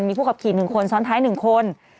มีผู้ขับขี่๑คนซ้อนท้าย๑คน